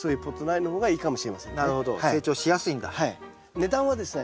値段はですね